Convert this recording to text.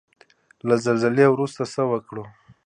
له زلزلې وروسته څه وکړو؟